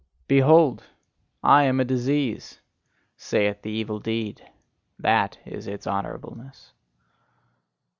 "Behold, I am disease," saith the evil deed: that is its honourableness.